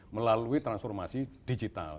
melalui transformasi digital